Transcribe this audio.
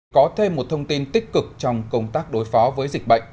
có thêm một thông tin tích cực trong công tác đối phó với dịch bệnh